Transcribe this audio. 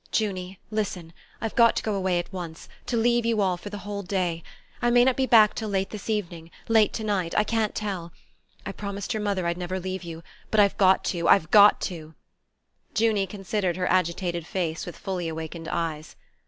"Junie, listen! I've got to go away at once to leave you all for the whole day. I may not be back till late this evening; late to night; I can't tell. I promised your mother I'd never leave you; but I've got to I've got to." Junie considered her agitated face with fully awakened eyes.